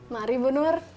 mari bu nur